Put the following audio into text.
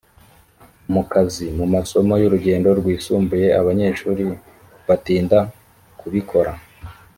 mu kazi mu masomo y urugero rwisumbuye abanyeshuri batinda kubikora